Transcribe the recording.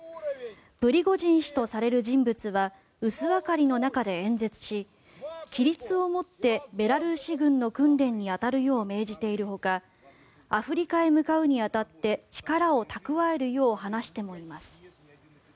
プリゴジン氏とされる人物は薄明かりの中で演説し規律を持ってベラルーシ軍の訓練に当たるよう命じているほかアフリカへ向かうに当たって力を蓄えるよう話してもいます。